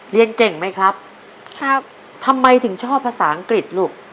เรียนเก่งไหมครับครับทำไมถึงชอบภาษาอังกฤษลูก